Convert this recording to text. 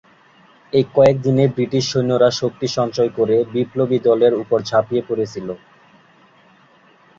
এই কয়েক দিনে ব্রিটিশ সৈন্যরা শক্তি সঞ্চয় করে বিপ্লবী দলের ওপর ঝাঁপিয়ে পড়েছিল।